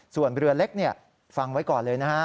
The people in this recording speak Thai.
ส่วนเรือเล็กฟังไว้ก่อนเลยนะฮะ